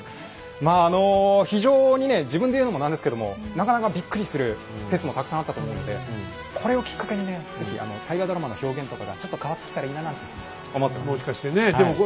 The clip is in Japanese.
まああの非常にね自分で言うのもなんですけどもなかなかびっくりする説もたくさんあったと思うのでこれをきっかけにね是非大河ドラマの表現とかがちょっと変わってきたらいいななんて思ってます。